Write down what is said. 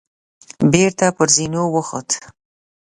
بېرته پر زينو وخوت.